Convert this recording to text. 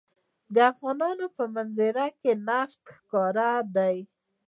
د افغانستان په منظره کې نفت ښکاره دي.